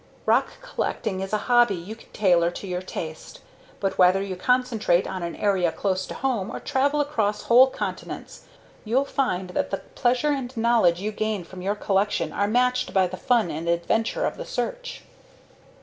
Rock collecting is a hobby you can tailor to your taste. But whether you concentrate on an area close to home or travel across whole continents, you'll find that the pleasure and knowledge you gain from your collection are matched by the fun and adventure of the search.